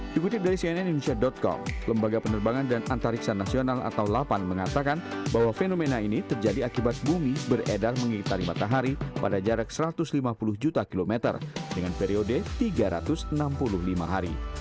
dikutip dari cnn indonesia com lembaga penerbangan dan antariksa nasional atau lapan mengatakan bahwa fenomena ini terjadi akibat bumi beredar mengitari matahari pada jarak satu ratus lima puluh juta kilometer dengan periode tiga ratus enam puluh lima hari